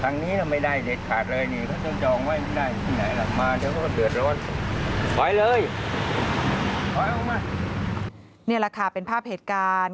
นี่แหละค่ะเป็นภาพเหตุการณ์